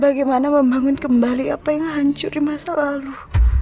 bagaimana membangun kembali apa yang hancur di masa lalu